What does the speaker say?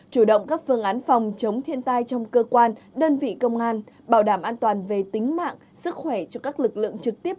chủ động các phương án phòng chống thiên tai trong cơ quan đơn vị công an bảo đảm an toàn về tính mạng sức khỏe cho các lực lượng trực tiếp